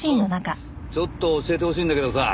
ちょっと教えてほしいんだけどさ